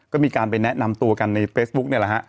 ก็มีการไปแนะนำตัวกันในเฟซบุ๊กนี่แหละฮะ